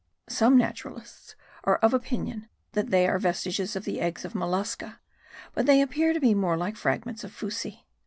Some naturalists are of opinion that they are vestiges of the eggs of mollusca: but they appear to be more like fragments of fuci.